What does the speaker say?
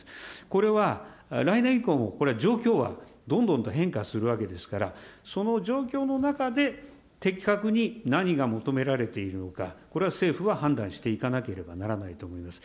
これは来年以降もこれ、状況はどんどんと変化するわけですから、その状況の中で的確に何が求められているのか、これは政府は判断していかなければならないと思います。